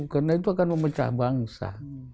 karena itu akan memecah bangsa